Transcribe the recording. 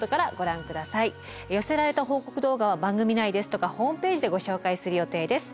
寄せられた報告動画は番組内ですとかホームページでご紹介する予定です。